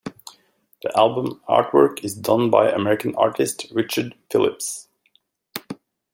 The album artwork is done by American artist Richard Phillips.